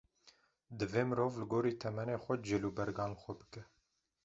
Divê mirov li gorî temenê xwe cil û bergan li xwe bike.